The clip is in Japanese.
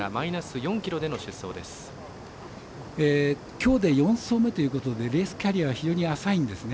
きょうで４走目ということでレースキャリアは非常に浅いんですね。